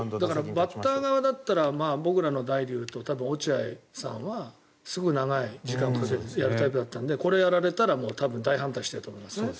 バッター側でいうと僕らの時代でいうと落合さんはすごい長い時間を使ってやるタイプだったのでこれをやられたら多分、大反対していると思います。